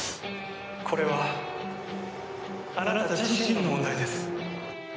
「これはあなた自身の問題です」